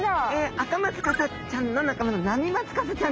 アカマツカサちゃんの仲間のナミマツカサちゃん。